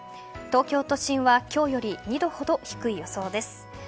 東京都心は今日より２度ほど低い予想です。